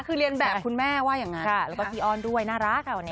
คือเรียนแบบคุณแม่ว่าอย่างไรแล้วก็ทีออนด้วยน่ารักค่ะวันนี้